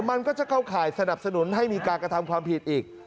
มันก็จะเข้าข่ายสนับสนุนให้มีการกระทำความผิดอีก